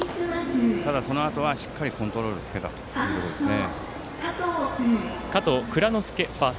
ただ、そのあとはしっかりコントロールできたというところですね。